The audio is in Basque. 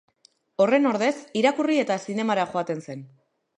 Horren ordez, irakurri eta zinemara joaten zen.